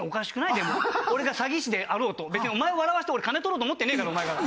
でも俺が詐欺師であろうと別にお前を笑わして俺金取ろうと思ってねぇからお前から。